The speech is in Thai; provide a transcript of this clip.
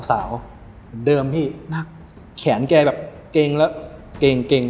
เหมือนเดิมพี่แขนแกแบบเก๋งแล้วเก๋ง